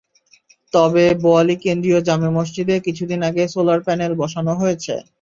তবে বোয়ালি কেন্দ্রীয় জামে মসজিদে কিছুদিন আগে সোলার প্যানেল বসানো হয়েছে।